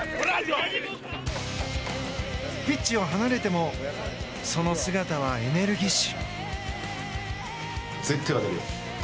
ピッチを離れてもその姿はエネルギッシュ。